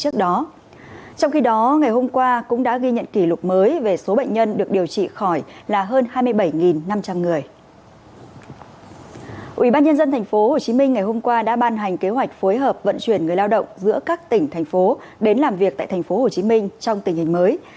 thành phố hồ chí minh ngày hôm qua đã ban hành kế hoạch phối hợp vận chuyển người lao động giữa các tỉnh thành phố đến làm việc tại thành phố hồ chí minh trong tình hình mới